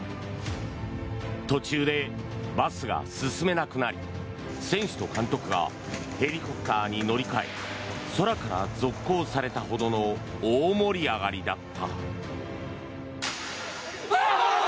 途中でバスが進めなくなり選手と監督がヘリコプターに乗り換え空から続行されたほどの大盛り上がりだった。